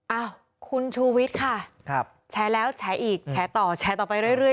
อ้าวคุณชูวิทย์ค่ะแชร์แล้วแชร์อีกแชร์ต่อแชร์ต่อไปเรื่อย